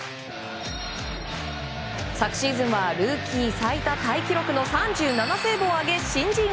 昨シーズンはルーキー最多タイ記録の３７セーブを挙げ新人王。